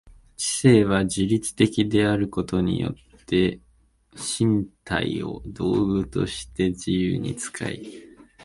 知性は自律的であることによって身体を道具として自由に使い、